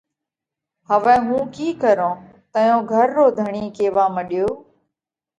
هوَئہ هُون ڪِي ڪرون؟ تئيون گھر رو ڌڻِي ڪيوا مڏيو۔